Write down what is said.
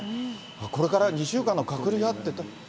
これから２週間の隔離があって。